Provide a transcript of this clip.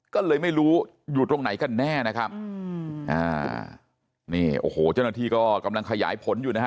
ก็เลยไม่รู้อยู่ตรงไหนกันแน่นะครับอืมอ่านี่โอ้โหเจ้าหน้าที่ก็กำลังขยายผลอยู่นะฮะ